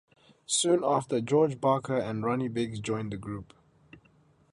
Soon after George Barker and Ronnie Biggs joined the group.